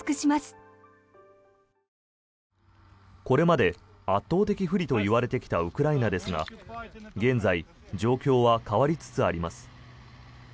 これまで圧倒的不利と言われてきたウクライナですが現在、状況は変わりつつあります。